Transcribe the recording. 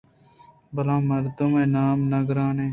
پلان مردم ءِ نام ءَ نہ گرئے